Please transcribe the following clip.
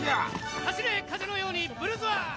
走れ、風のように、ブルズアイ。